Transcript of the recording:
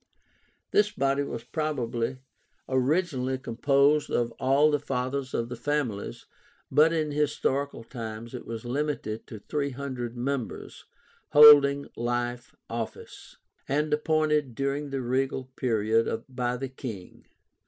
This body was probably originally composed of all the Fathers of the families, but in historical times it was limited to THREE HUNDRED members, holding life office, and appointed during the regal period by the king.